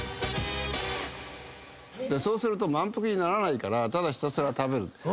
そうすると満腹にならないからただひたすら食べる。